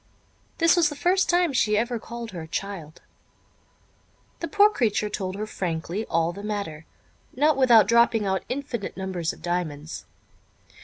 (This was the first time she ever called her child.) The poor creature told her frankly all the matter, not without dropping out infinite numbers of diamonds.